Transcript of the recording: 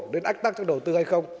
nên ách tắc cho đầu tư hay không